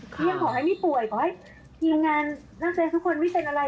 ยังขอให้ไม่ป่วยขอให้ทีมงานนักแสดงทุกคนไม่เป็นอะไร